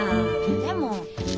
でも。